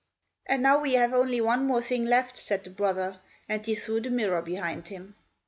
"And now we have only one more thing left," said the brother, and he threw the mirror behind him.